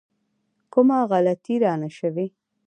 کومه غلطي رانه شوې.